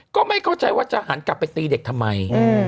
ก็ไม่เข้าใจว่าจะหันกลับไปตีเด็กทำไม